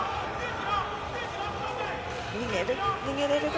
逃げれるか？